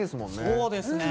そうですね。